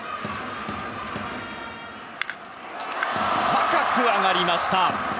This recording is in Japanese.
高く上がりました。